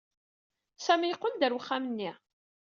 Sami yeqqel-d ɣer uxxam-nni.